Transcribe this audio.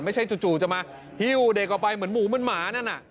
ไม่ใช่จู่จะมาหิวเด็กออกไปเหมือนหมูเหมือนหมานั่น